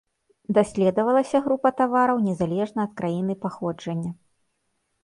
Даследавалася група тавараў незалежна ад краіны паходжання.